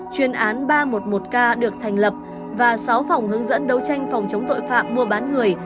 chuyên án ba trăm một mươi một k được thành lập và sáu phòng hướng dẫn đấu tranh phòng chống tội phạm mua bán người